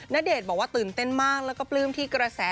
ณเดชน์บอกว่าตื่นเต้นมากแล้วก็ปลื้มที่กระแส